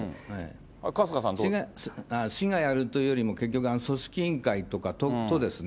市がやるというよりも、結局、組織委員会とかとですね。